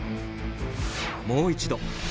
もう一度。